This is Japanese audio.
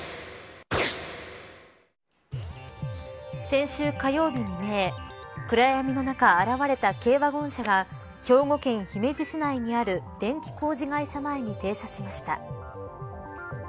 先週火曜日、未明暗闇の中現れた軽ワゴン車が兵庫県姫路市内にある電気工事会社前に停車しました。